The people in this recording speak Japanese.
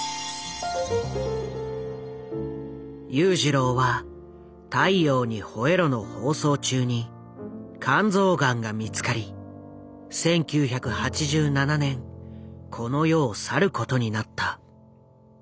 裕次郎は「太陽にほえろ！」の放送中に肝臓がんが見つかり１９８７年この世を去ることになった。